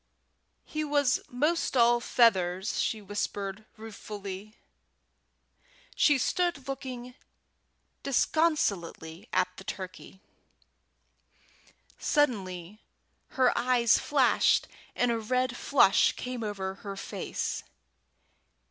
"He was 'most all feathers," she whispered, ruefully. She stood looking disconsolately at the turkey. Suddenly her eyes flashed and a red flush came over her face.